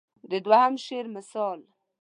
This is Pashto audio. د دوهم شعر مثال.